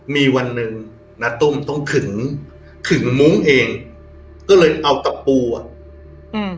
มีวันหนึ่งนาตุ้มต้องขึงขึงมุ้งเองก็เลยเอาตะปูอ่ะอืม